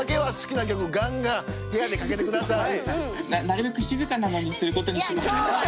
なるべく静かなのにすることにしました。